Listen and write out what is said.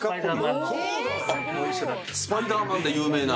『スパイダーマン』で有名な。